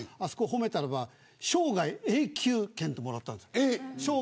褒めたらば生涯永久権をもらったんですよ。